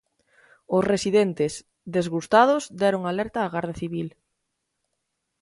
Os residentes, desgustados, deron a alerta á Garda Civil.